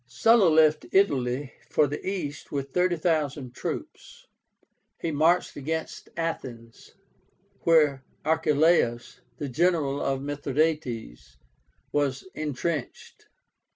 Sulla left Italy for the East with 30,000 troops. He marched against Athens, where Archeláus, the general of Mithradátes, was intrenched.